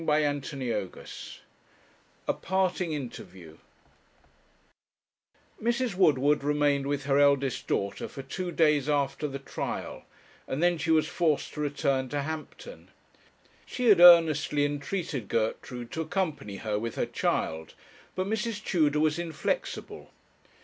CHAPTER XLII A PARTING INTERVIEW Mrs. Woodward remained with her eldest daughter for two days after the trial, and then she was forced to return to Hampton. She had earnestly entreated Gertrude to accompany her, with her child; but Mrs. Tudor was inflexible.